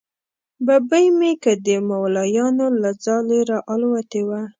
ببۍ مې که د مولیانو له ځالې را الوتې وه.